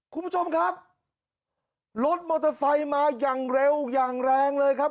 คุณผู้ชมครับรถมอเตอร์ไซค์มาอย่างเร็วอย่างแรงเลยครับ